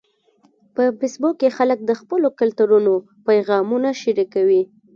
په فېسبوک کې خلک د خپلو کلتورونو پیغامونه شریکوي